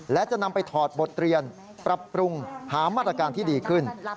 และจะนำไปถอดบทเรียนปรับปรุงหามาตรการที่ดีขึ้น